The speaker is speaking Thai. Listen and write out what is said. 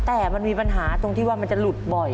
แต่มันมีปัญหาตรงที่ว่ามันจะหลุดบ่อย